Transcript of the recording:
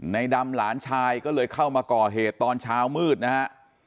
ในดำหลานชายก็เลยเข้ามาก่อเหตุตอนเช้ามืดนะฮะ